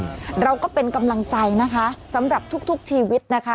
เราก็เป็นกำลังใจนะคะสำหรับทุกทุกชีวิตนะคะ